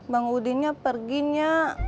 bang udinnya perginya